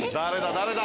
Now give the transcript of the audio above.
誰だ？